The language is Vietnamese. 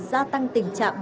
gia tăng tình trạng